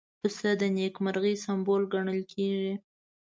پسه د نېکمرغۍ سمبول ګڼل کېږي.